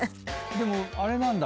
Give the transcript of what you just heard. でもあれなんだ。